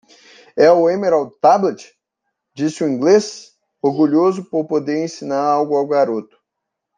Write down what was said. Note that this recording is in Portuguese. "É o Emerald Tablet?", disse o inglês? orgulhoso por poder ensinar algo ao garoto.